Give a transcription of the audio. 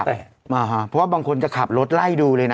เพราะว่าบางคนจะขับรถไล่ดูเลยนะ